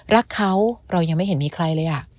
รักเขาเรายังไม่เห็นมีใครเลย